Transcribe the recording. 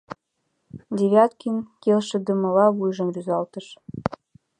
Девяткин келшыдымыла вуйжым рӱзалтыш.